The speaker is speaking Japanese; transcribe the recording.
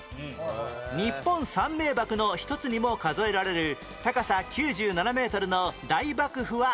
日本三名瀑の一つにも数えられる高さ９７メートルの大瀑布は圧巻